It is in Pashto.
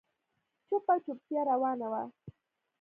چوپه چوپتيا روانه وه.